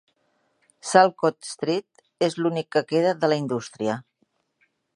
"Saltcote Street" és l'únic que queda de la indústria.